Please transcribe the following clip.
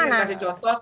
saya kasih contoh